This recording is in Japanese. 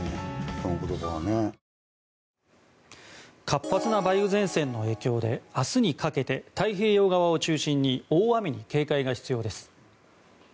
活発な梅雨前線の影響で明日にかけて太平洋側を中心に大雨に警戒が必要です。